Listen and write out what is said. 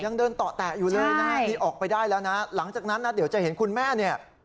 ยังเดินต่อแตะอยู่เลยนะฮะที่ออกไปได้แล้วนะหลังจากนั้นนะเดี๋ยวจะเห็นคุณแม่เนี่ย